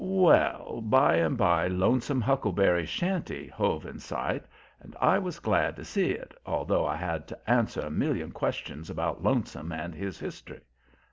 Well, by and by Lonesome Huckleberries' shanty hove in sight, and I was glad to see it, although I had to answer a million questions about Lonesome and his history.